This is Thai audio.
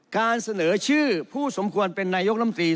การเสนอชื่อผู้สมควรเป็นนายกรรมตรี